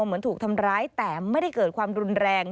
เหมือนถูกทำร้ายแต่ไม่ได้เกิดความรุนแรง